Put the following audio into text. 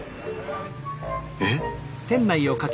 えっ！？